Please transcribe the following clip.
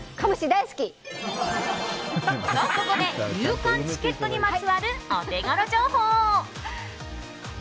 と、ここで入館チケットにまつわるオテゴロ情報。